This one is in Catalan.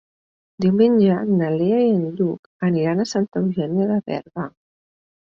Diumenge na Lea i en Lluc aniran a Santa Eugènia de Berga.